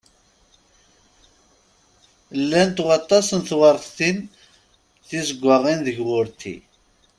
Llant waṭas n tewreḍtin tizeggaɣin deg wurti.